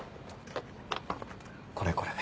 これこれ。